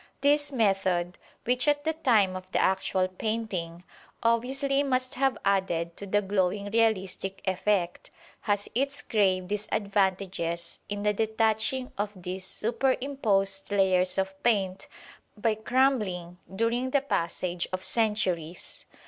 This method, which at the time of the actual painting obviously must have added to the glowing realistic effect, has its grave disadvantages in the detaching of these superimposed layers of paint by crumbling during the passage of centuries.